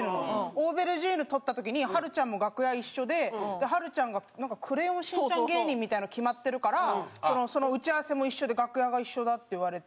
オーベルジーヌ撮った時にはるちゃんも楽屋一緒ではるちゃんがなんか「クレヨンしんちゃん芸人」みたいなの決まってるからその打ち合わせも一緒で楽屋が一緒だって言われて。